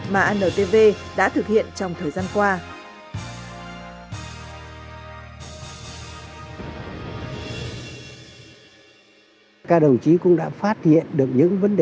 mà antv đã thực hiện trong thời gian qua